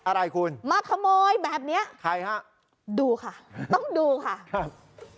อะไรคุณมาขโมยแบบเนี้ยใครฮะดูค่ะต้องดูค่ะครับ